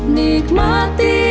nikmati indahnya dunia